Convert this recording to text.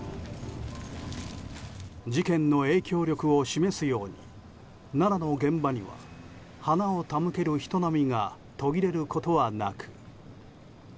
事件の影響力を示すように奈良の現場には花を手向ける人波が途切れることはなく。